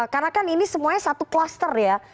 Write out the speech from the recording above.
karena kan ini semuanya satu cluster ya